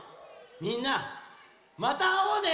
みんなまたあおうね。